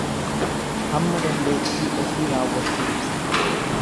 Hamma dandeettii ofii raawwachuu ibsa.